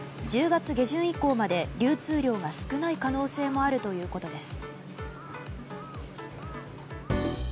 １０月下旬以降まで流通量が少ない可能性もあるということです。